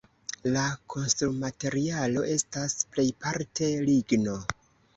La konstrumaterialo estas plejparte ligno.